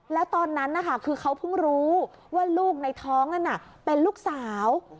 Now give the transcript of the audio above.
แล้วตอนนั้นนะคะคือเขาเพิ่งรู้ว่าลูกในท้องนั้นเป็นลูกสาว